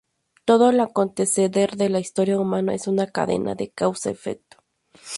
Todo el acontecer de la Historia humana es una cadena de causa-efecto.